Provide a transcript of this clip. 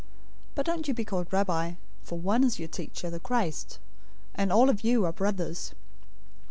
023:008 But don't you be called 'Rabbi,' for one is your teacher, the Christ, and all of you are brothers.